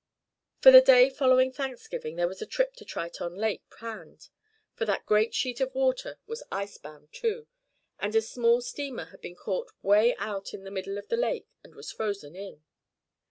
For the day following Thanksgiving there was a trip to Triton Lake planned, for that great sheet of water was ice bound, too, and a small steamer had been caught 'way out in the middle of the lake, and was frozen in.